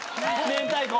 明太子！